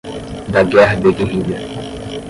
da guerra de guerrilha